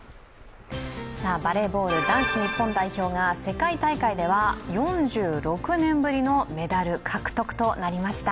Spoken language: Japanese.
バレーボール男子日本代表が世界大会では４６年ぶりのメダル獲得となりました。